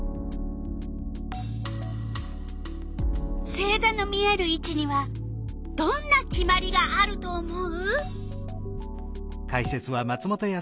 星ざの見えるいちにはどんな決まりがあると思う？